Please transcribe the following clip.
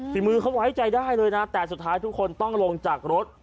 ฝีมือเขาไว้ใจได้เลยนะแต่สุดท้ายทุกคนต้องลงจากรถ